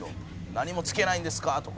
何もつけないんですか？とか」